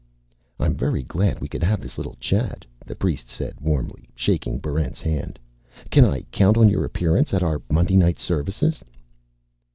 "I'm very glad we could have this little chat," the priest said, warmly shaking Barrent's hand. "Can I count on your appearance at our Monday night services?"